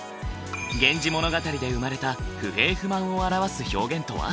源氏物語で生まれた不平不満を表す表現とは？